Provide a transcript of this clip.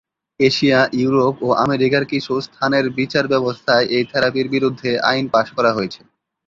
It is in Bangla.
এশিয়া, ইউরোপ ও আমেরিকার কিছু স্থানের বিচার ব্যবস্থায় এই থেরাপির বিরুদ্ধে আইন পাস করা হয়েছে।